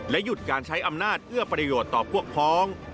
หยุดการใช้อำนาจเอื้อประโยชน์ต่อพวกพ้อง